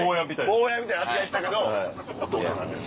坊やみたいな扱いしたけど「弟なんです」